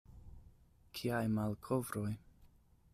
Kiaj malkovroj!